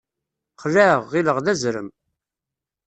Xelɛeɣ, ɣilleɣ d azrem.